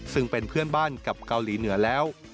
ซึ่งเป็นเพื่อนบ้านกับเกาหลีเหนือแล้ว